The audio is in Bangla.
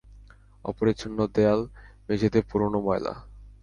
অপরিচ্ছন্ন দেয়াল, মেঝেতে পুরোনো ময়লা।